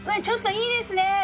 ちょっといいですね